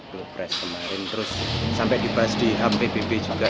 blupress kemarin terus sampai dibahas di hpbp juga